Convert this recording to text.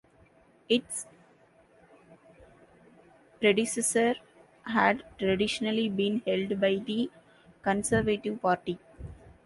Its predecessor had traditionally been held by the Conservative Party.